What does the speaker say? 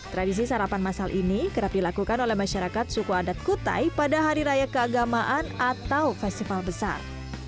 tradisi sarapan masal ini kerap dilakukan oleh masyarakat suku adat kutai pada hari raya keagamaan atau festival besar